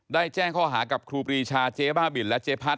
แจ้งข้อหากับครูปรีชาเจ๊บ้าบินและเจ๊พัด